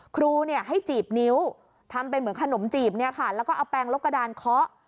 ครูให้จีบนิ้วทำเป็นเหมือนขนมจีบแล้วก็เอาแปลงลกกระดานเคาะ